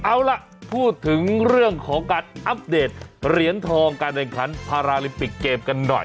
เอาล่ะพูดถึงเรื่องของการอัปเดตเหรียญทองการแข่งขันพาราลิมปิกเกมกันหน่อย